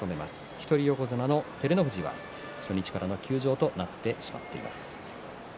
一人横綱の照ノ富士は初日から休場となってしまっています。